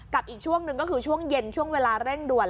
อีกช่วงหนึ่งก็คือช่วงเย็นช่วงเวลาเร่งด่วน